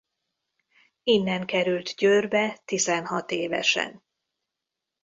Innen került Győrbe tizenhat évesen.